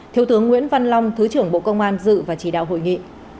thiếu tướng nguyễn văn long thứ trưởng bộ công an dự và chỉ đạo hội nghị